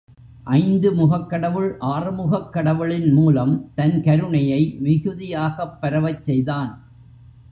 ஐந்து முகக் கடவுள் ஆறுமுகக் கடவுளின் மூலம் தன் கருணையை மிகுதியாகப் பரவச் செய்தான்.